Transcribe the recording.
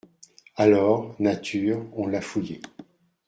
Alors, nature, on l’a fouillé.